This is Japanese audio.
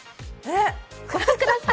ご覧ください。